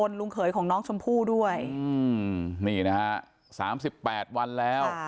ลุงเขยของน้องชมพู่ด้วยอืมนี่นะฮะสามสิบแปดวันแล้ว